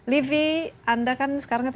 livi anda kan sekarang